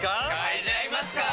嗅いじゃいますか！